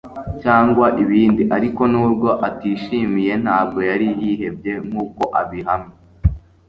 cyangwa ibindi. ariko nubwo atishimiye ntabwo yari yihebye, nkuko abihamya